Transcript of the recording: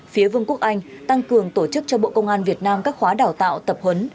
phía vương quốc anh tăng cường tổ chức cho bộ công an việt nam các khóa đào tạo tập huấn